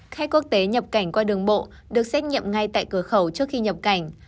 khách quốc tế nhập cảnh qua đường bộ được xét nghiệm ngay tại cửa khẩu trước khi nhập cảnh